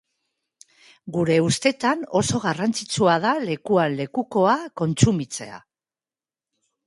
Gure ustetan oso garrantzitsua da lekuan lekukoa kontsumitzea.